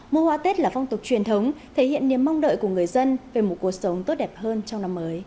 mua hoa tết là phong tục truyền thống thể hiện niềm mong đợi của người dân